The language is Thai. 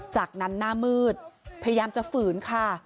จากนั้นหน้ามืดพยายามจะฝืนค่ะ